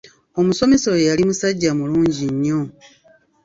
Omusomesa oyo yali musajja mulungi nnyo.